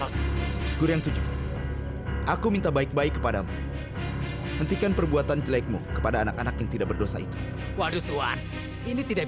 sampai jumpa di video selanjutnya